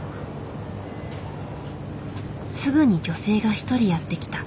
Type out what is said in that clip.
すぐに女性が一人やって来た。